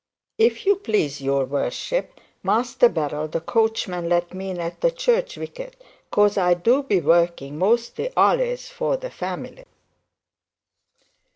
'If you please, your worship, Master Barrell the coachman let me in at the church wicket, 'cause I do be working mostly al'ays for the family.'